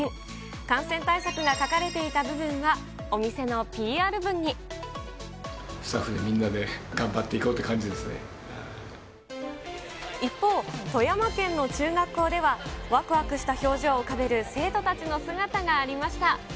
感染対策が書かれていた部分は、スタッフみんなで頑張ってい一方、富山県の中学校では、わくわくした表情を浮かべる生徒たちの姿がありました。